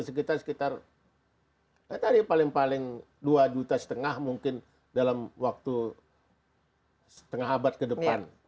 sekitar sekitar ya tadi paling paling dua juta setengah mungkin dalam waktu setengah abad ke depan